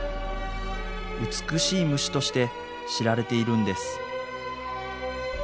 美しい虫として知られているんです。